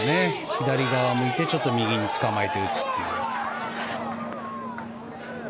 左側を向いて右につかまえて打つという。